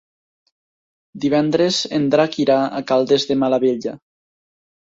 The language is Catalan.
Divendres en Drac irà a Caldes de Malavella.